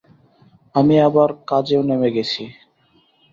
আমি আবার কাজেও নেবে গেছি।